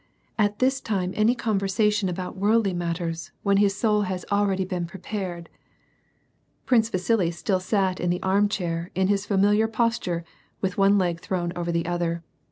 At this time any conversation about worldly matters, when his soul has already been prepared "— Prince Vasili still sat in the ai m chair in his familiar pos ture»\vith one leg thrown over the other.